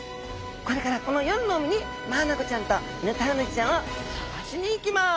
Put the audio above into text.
これからこの夜の海にマアナゴちゃんとヌタウナギちゃんをさがしに行きます。